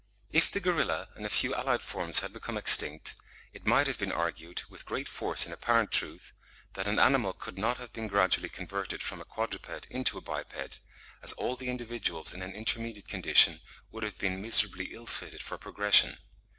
If the gorilla and a few allied forms had become extinct, it might have been argued, with great force and apparent truth, that an animal could not have been gradually converted from a quadruped into a biped, as all the individuals in an intermediate condition would have been miserably ill fitted for progression.